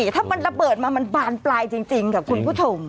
ถ้ามันระเบิดมามันบานปลายจริงค่ะคุณผู้ชม